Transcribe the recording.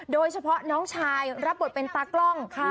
โดยเฉพาะน้องชายรับบทเป็นตากล้อง